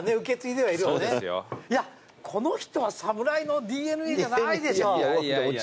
いやこの人は侍のＤＮＡじゃないでしょ。